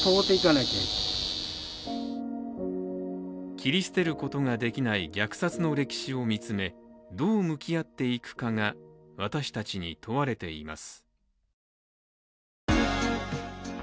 切り捨てることができない虐殺の歴史を見つめどう向き合っていくかが私たちに問われています。